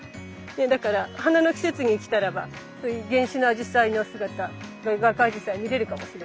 だから花の季節に来たらばそういう原種のアジサイの姿がガクアジサイ見れるかもしれないですね